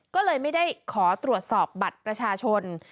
ก็เลยไม่ได้ขอตรวจสอบบัตรประชาชน